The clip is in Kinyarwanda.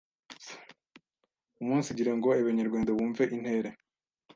Umunsigire ngo Ebenyerwende bumve intere